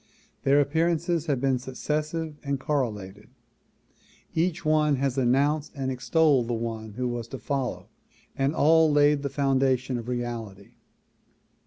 Their appearances have been successive and correlated ; each one has announced and extolled the one who was to follow and all laid the foundation of reality.